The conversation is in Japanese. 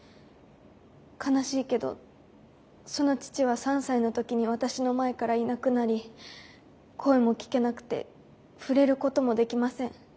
悲しいけどその父は３歳の時に私の前からいなくなり声も聞けなくて触れることもできません。